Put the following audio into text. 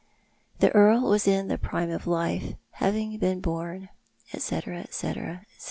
"The earl was in the prime of life, having been born," etc., etc., etc.